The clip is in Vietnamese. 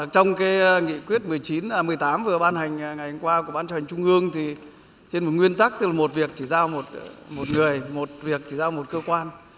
trong cái nghị quyết một mươi tám vừa ban hành ngày hôm qua của ban trò hành trung ương thì trên một nguyên tắc là một việc chỉ giao một người một việc chỉ giao một cơ quan